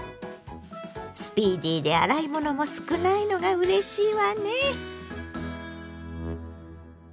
スピーディーで洗い物も少ないのがうれしいわね。